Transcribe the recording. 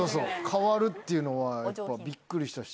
変わるっていうのはやっぱビックリしたし。